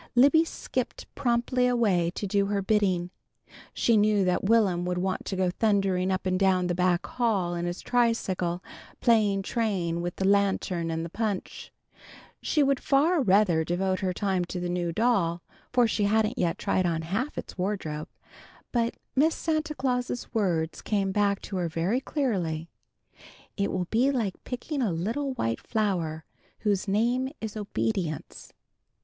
Libby skipped promptly away to do her bidding. She knew that Will'm would want to go thundering up and down the back hall in his tricycle, playing train with the lantern and the punch. She would far rather devote her time to the new doll, for she hadn't yet tried on half its wardrobe. But Miss Santa Claus's words came back to her very clearly: "_It will be like picking a little white flower whose name is obedience!